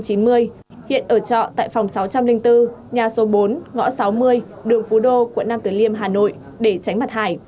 hiện ở trọ tại phòng sáu trăm linh bốn nhà số bốn ngõ sáu mươi đường phú đô quận năm từ liêm hà nội để tránh mặt hải